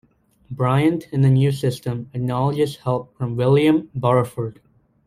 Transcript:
Bryant in the "New System" acknowledges help from William Barford.